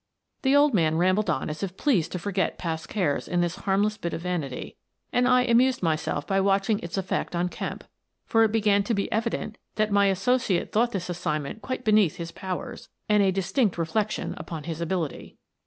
The old man rambled on as if pleased to forget past cares in this harmless bit of vanity, and I amused myself by watching its effect on Kemp, for it began to be evident that my associate thought this assignment quite beneath his powers, and a dis tinct reflection upon his ability.